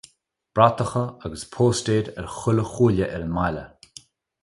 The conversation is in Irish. Bratacha agus póstaeir ar chuile chuaille ar an mbaile.